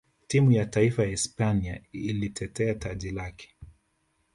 timu ya taifa ya hispania ilitetea taji lake